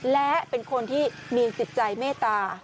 และเป็นคนที่มีจิตใจเมตตา